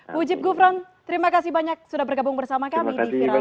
mujib gufron terima kasih banyak sudah bergabung bersama kami di viral